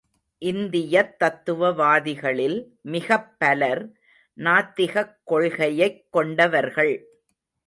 இந்தியத் தத்துவ வாதிகளில் மிகப் பலர் நாத்திகக் கொள்கையைக் கொண்டவர்கள்.